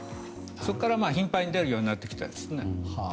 そこから頻繁に出るようになってきましたね。